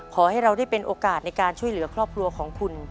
ขอให้เราได้เป็นโอกาสในการช่วยเหลือครอบครัวของคุณ